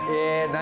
何？